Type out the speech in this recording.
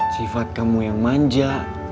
sifat kamu yang manja